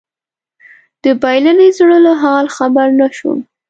د بايللي زړه له حاله خبر نه شوم